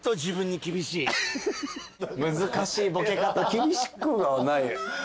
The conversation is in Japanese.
厳しくはない。